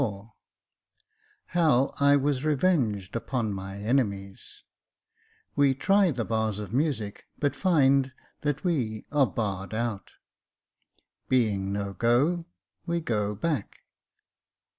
Chapter XXXIV How I was revenged upon my enemies — We try the bars of music but find that we are barred out — Being no go, we go back.